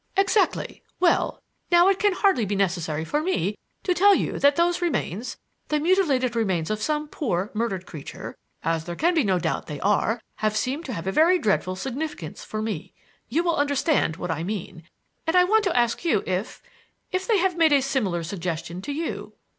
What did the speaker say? "Exactly. Well, now, it can hardly be necessary for me to tell you that those remains the mutilated remains of some poor murdered creature, as there can be no doubt they are have seemed to have a very dreadful significance for me. You will understand what I mean; and I want to ask you if if they have made a similar suggestion to you?"